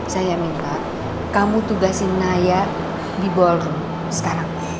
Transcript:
saya minta kamu tugasin naya di bolong sekarang